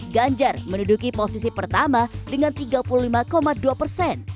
ganjar menuduki posisi pertama dengan tiga puluh lima dua persen